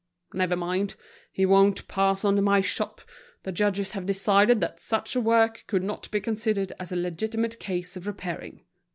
Never mind, he won't pass under my shop, the judges have decided that such a work could not be considered as a legitimate case of repairing.